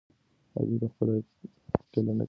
هغې په خپله لیکنه کې حقیقت بیان کړ.